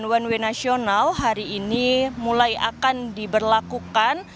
one way nasional hari ini mulai akan diberlakukan